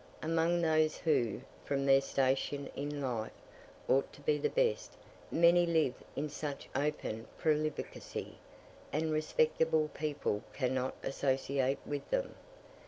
Among those who, from their station in life, ought to be the best, many live in such open profligacy that respectable people cannot associate with them.